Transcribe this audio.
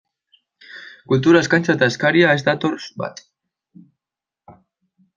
Kultura eskaintza eta eskaria ez datoz bat.